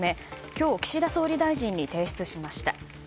今日、岸田総理大臣に提出しました。